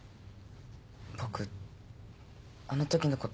僕あのときのこと